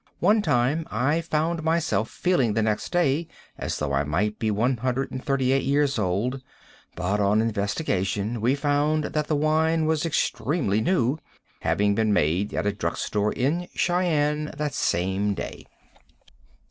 One time I found myself feeling the next day as though I might be 138 years old, but on investigation we found that the wine was extremely new, having been made at a drug store in Cheyenne that same day.